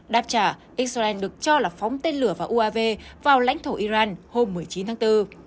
đáp trả israel được cho là phóng tên lửa vào uav vào lãnh thổ iran hôm một mươi chín tháng bốn